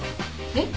えっ？